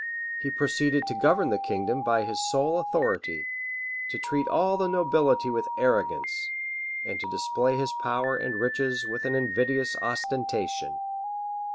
[] He proceeded to govern the kingdom by his sole authority; to treat all the nobility with arrogance; and to display his power and riches with an invidious ostentation.